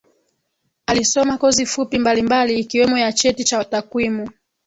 Alisoma kozi fupi mbali mbali ikiwemo ya cheti cha takwimu